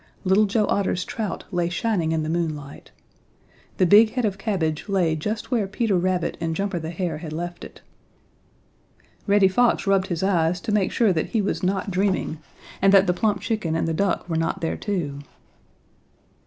Little Joe Otter's trout lay shining in the moonlight. The big head of cabbage lay just where Peter Rabbit and Jumper the Hare had left it. Reddy Fox rubbed his eyes to make sure that he was not dreaming and that the plump chicken and the duck were not there too.